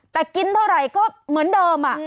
แต่กินเท่าไหร่ก็เหมือนเดิม